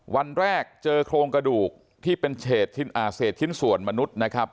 วันแรกเจอโครงกระดูกที่เป็นเศษชิ้นส่วนมนุษย์นะครับ